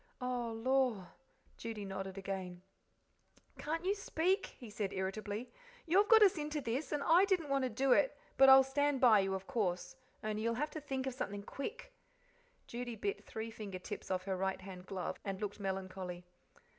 Oh, lor'!" Judy nodded again. "Can't you speak?" he said irritably. "You've got us into this I didn't want to do it; but I'll stand by you, of course. Only you'll have to think of something quick." Judy bit three finger tips off her right hand glove, and looked melancholy.